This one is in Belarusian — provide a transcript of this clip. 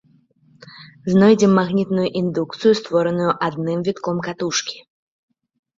Знойдзем магнітную індукцыю, створаную адным вітком катушкі.